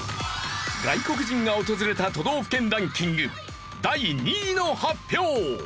外国人が訪れた都道府県ランキング第２位の発表！